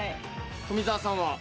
富澤さんは？